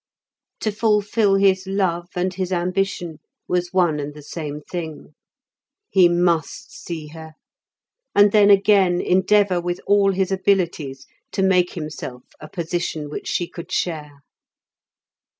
To fulfil his love and his ambition was one and the same thing. He must see her, and then again endeavour with all his abilities to make himself a position which she could share.